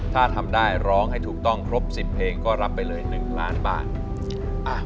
ถ้าทำได้ร้องให้ถูกต้องครบ๑๐เพลงก็รับไปเลย๑ล้านบาท